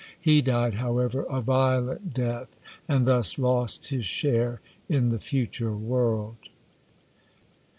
He died, however, a violent death, and thus lost his share in the future world.